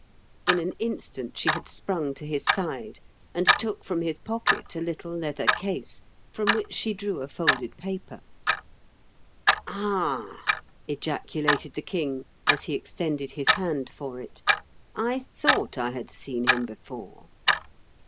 In an instant she had sprung to his side, and took from his pocket a little leather case, from which she drew a folded paper. " Ah !'' ejaculated the King, as he ex tended his hand for it. " I thought I had seen him before."